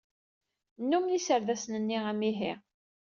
Nnumen yiserdasen-nni amihi.